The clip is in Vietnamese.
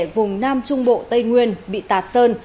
vùng nam trung bộ tây nguyên bị tạt sơn